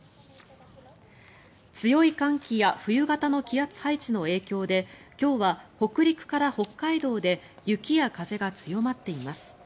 強い寒気や冬型の気圧配置の影響で今日は北陸から北海道で雪や風が強まっています。